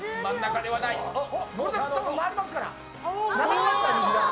これで回りますから。